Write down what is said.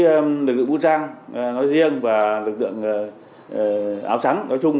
đối với lực lượng quốc trang nói riêng và lực lượng áo sáng nói chung